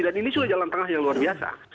dan ini sudah jalan tengah yang luar biasa